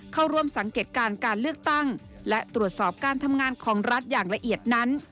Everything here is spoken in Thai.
เข้าร่วมสังเกตการณ์การเลือกตั้งและตรวจสอบการทำงานของรัฐอย่างละเอียดนั้น